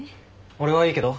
俺はいいけど。